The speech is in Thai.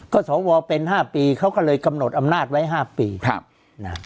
ก็สวเป็นห้าปีเขาก็เลยกำนดอำนาตไว้ห้าปีครับน่ะ